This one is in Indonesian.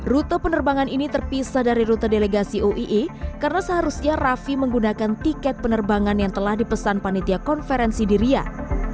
rute penerbangan ini terpisah dari rute delegasi uii karena seharusnya rafi menggunakan tiket penerbangan yang telah dipesan panitia konferensi di riyad